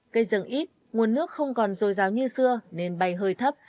cây rừng ít nguồn nước không còn dồi dào như xưa nên bay hơi thấp